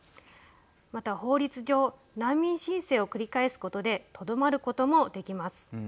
また、法律上難民申請を繰り返すことでとどまることもできます。